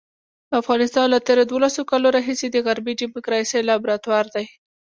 افغانستان له تېرو دولسو کالو راهیسې د غربي ډیموکراسۍ لابراتوار دی.